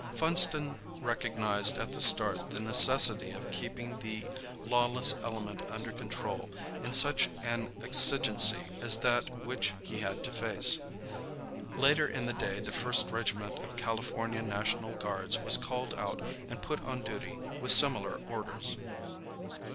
Funston recognized at the start the necessity of keeping the lawless element under control in such an exigency as that which he had to face. Later in the day the First Regiment of California National Guards was called out and put on duty, with similar orders.